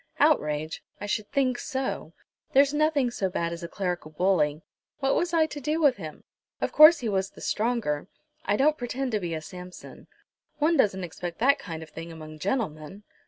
"Outrage! I should think so. There's nothing so bad as a clerical bully. What was I to do with him? Of course he was the stronger. I don't pretend to be a Samson. One doesn't expect that kind of thing among gentlemen?"